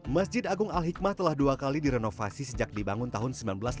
masjid agung al hikmah telah dua kali direnovasi sejak dibangun tahun seribu sembilan ratus delapan puluh